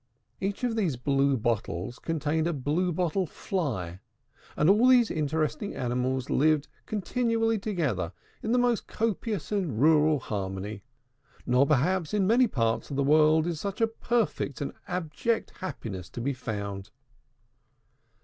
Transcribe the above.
Each of these blue bottles contained a Blue Bottle Fly; and all these interesting animals live continually together in the most copious and rural harmony: nor perhaps in many parts of the world is such perfect and abject happiness to be found.